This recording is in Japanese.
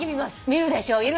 見るでしょ？